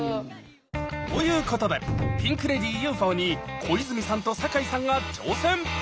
ということでピンク・レディー「ＵＦＯ」に小泉さんと坂井さんが挑戦！